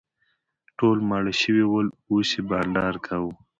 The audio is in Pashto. ټول ماړه شوي ول او اوس یې بانډار کاوه.